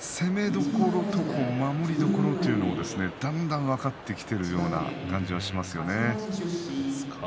攻めどころと守りどころをだんだん分かってきているような感じがしますね。